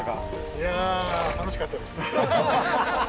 いやあ楽しかったです。